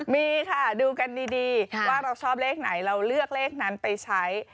มีค่ะดูกันดีว่าเราชอบเลขไหนเราเลือกเลขนั้นไปใช้